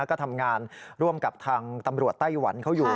ก็ทำงานร่วมกับทางตำรวจไต้หวันเขาอยู่